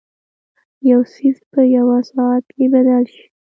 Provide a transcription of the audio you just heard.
یو څیز په یوه ساعت کې بدل شي.